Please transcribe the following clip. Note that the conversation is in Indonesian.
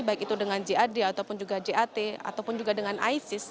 baik itu dengan jad ataupun juga jat ataupun juga dengan isis